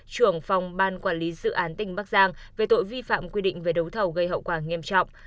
trưởng phòng ban quản lý dự án tỉnh bắc giang về tội vi phạm quy định về đấu thầu gây hậu quả nghiêm trọng